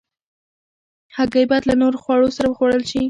هګۍ باید له نورو خوړو سره وخوړل شي.